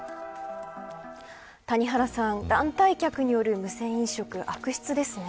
谷原さん、団体客による無銭飲食悪質ですね。